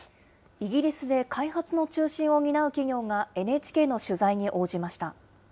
イギリスで開発の中心を担う企業が、ＮＨＫの取材に応じました。